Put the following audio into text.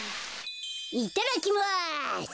いただきます！